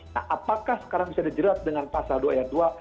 nah apakah sekarang bisa dijerat dengan pasal dua ayat dua